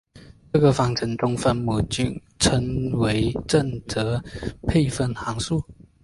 这个方程中的分母称为正则配分函数。